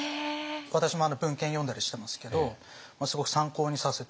私も文献読んだりしてますけどすごく参考にさせて頂いてますね。